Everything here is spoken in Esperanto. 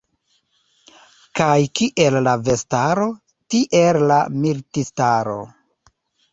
Kaj kiel la vestaro, tiel la militistaro.